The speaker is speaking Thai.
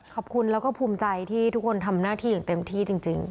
ขอบคุณแล้วก็ภูมิใจที่ทุกคนทำหน้าที่อย่างเต็มที่จริง